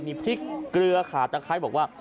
มีพริกเกลือขาตะไคร้บอกว่า